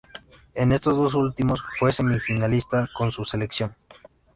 En estos dos últimos, fue semifinalista con su selección.